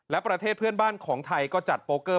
และประเทศเพื่อนบ้านของไทยก็จัดโปรเกอร์